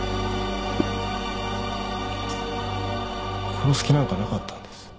殺す気なんかなかったんです。